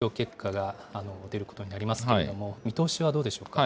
このあと参議院の投票結果が出ることになりますけれども、見通しはどうでしょうか。